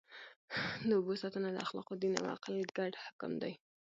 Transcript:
د اوبو ساتنه د اخلاقو، دین او عقل ګډ حکم دی.